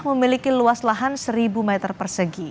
memiliki luas lahan seribu meter persegi